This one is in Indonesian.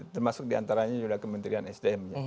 termasuk diantaranya sudah kementerian sdm